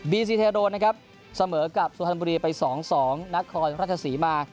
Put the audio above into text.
ซีเทโดนะครับเสมอกับสุพรรณบุรีไป๒๒นครราชศรีมา